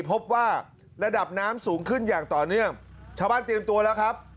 พบว่าระดับน้ำสูงขึ้นอย่างต่อเนื่องชาวบ้านเตรียมตัวแล้วครับ